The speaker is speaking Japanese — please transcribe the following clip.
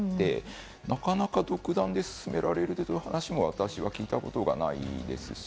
なかなか独断で進められるというお話も私は聞いたことがないですし。